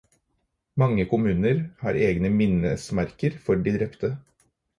Mange kommuner har egne minnesmerker for de drepte.